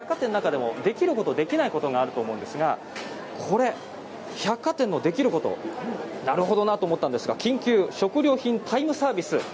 百貨店の中でもできることできないことがあると思いますが百貨店のできることなるほどなと思ったんですが緊急、食料品タイムサービス。